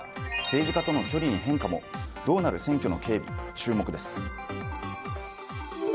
政治家との距離に変化もどうなる選挙の警備、注目です。